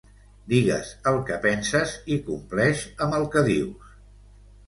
Digues el que penses i compleix amb el que dius.